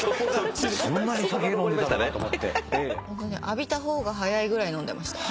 浴びた方が早いぐらい飲んでました。